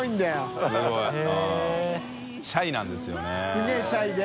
すげぇシャイで。